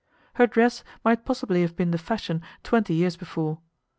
Her dress might possibly have been the fashion twenty years before.